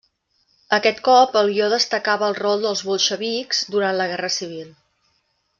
Aquest cop, el guió destacava el rol dels bolxevics durant la guerra civil.